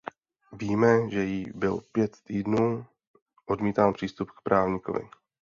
Víme, že jí byl pět týdnů odmítán přístup k právníkovi.